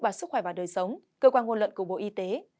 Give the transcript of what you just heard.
bà sức khỏe và đời sống cơ quan nguồn lận của bộ y tế